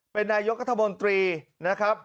เป็นนายกัธมนตรีนะครับ